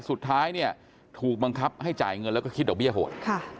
สุดท้ายเนี่ยถูกบังคับให้จ่ายเงินแล้วก็คิดดอกเบี้ยโหด